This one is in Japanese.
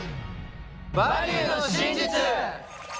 「バリューの真実」！